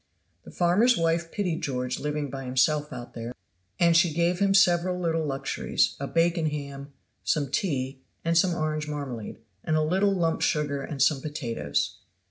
The farmer's wife pitied George living by himself out there, and she gave him several little luxuries; a bacon ham, some tea, and some orange marmalade, and a little lump sugar and some potatoes.